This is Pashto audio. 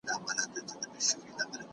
ولې د سرطان واکسین جوړول ستونزمن دي؟